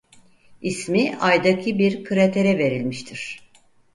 İsmi Ay'daki bir kratere verilmiştir.